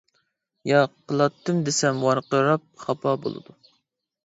ياق قىلاتتىم دېسەم ۋارقىراپ خاپا بولىدۇ.